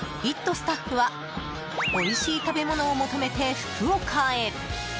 スタッフはおいしい食べ物を求めて福岡へ！